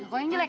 kok yang jelek